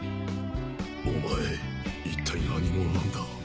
お前一体何者なんだ。